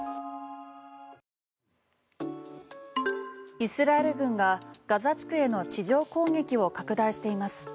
イスラエル軍がガザ地区への地上攻撃を拡大しています。